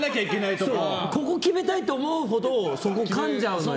ここ決めたいと思うほどそこをかんじゃうのよ。